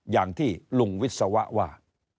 อย่างที่ลุงวิศวะว่า